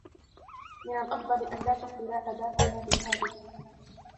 من الأفضل ألا تخبرا أباكما بالحادث.